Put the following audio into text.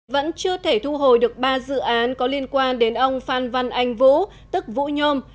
vẫn chưa thể thu hồi được ba dự án có liên quan đến ông phan văn anh vũ tức vũ nhôm